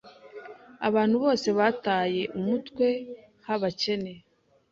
abantu bose bataye umutwe habakene